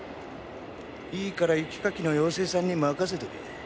いいから雪かきの妖精さんに任せとけ。